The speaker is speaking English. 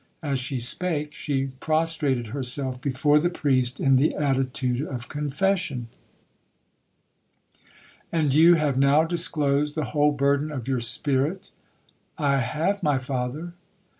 As she spake, she prostrated herself before the priest in the attitude of confession. 'And you have now disclosed the whole burden of your spirit?'—'I have, my father.'